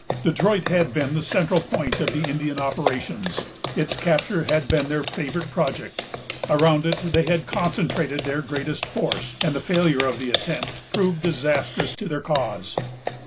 Detroit had been the central point of the Indian operations; its capture had been their favorite project; around it they had concentrated their greatest force, and the failure of the attempt proved disastrous to their cause.